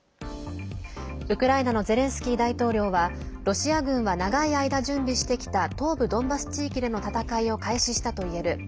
ウクライナのゼレンスキー大統領はロシア軍は長い間準備してきた東部ドンバス地域での戦いを開始したといえる。